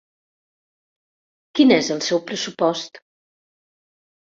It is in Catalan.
Quin és el seu pressupost?